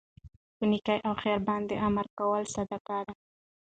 په نيکۍ او خیر باندي امر کول صدقه ده